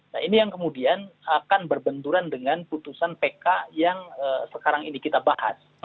nah ini yang kemudian akan berbenturan dengan putusan pk yang sekarang ini kita bahas